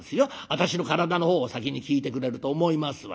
私の体の方を先に聞いてくれると思いますわよ」。